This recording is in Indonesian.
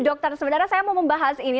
dokter sebenarnya saya mau membahas ini